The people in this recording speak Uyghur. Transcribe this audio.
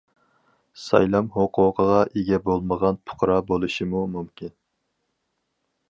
سايلام ھوقۇقىغا ئىگە بولمىغان پۇقرا بولۇشىمۇ مۇمكىن.